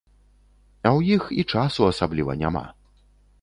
А ў іх і часу асабліва няма.